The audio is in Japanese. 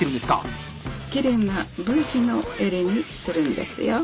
きれいなＶ字の襟にするんですよ。